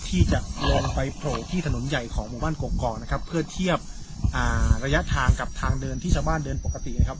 ที่จะลองไปโผล่ที่ถนนใหญ่ของหมู่บ้านกกอกนะครับเพื่อเทียบระยะทางกับทางเดินที่ชาวบ้านเดินปกตินะครับ